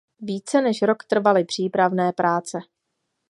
Více než rok trvaly přípravné práce.